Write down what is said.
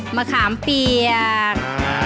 มะขามเปียก